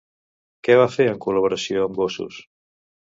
Què va fer, en col·laboració amb Gossos?